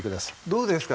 どうですか？